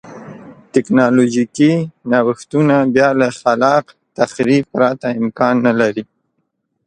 ټکنالوژیکي نوښتونه بیا له خلاق تخریب پرته امکان نه لري.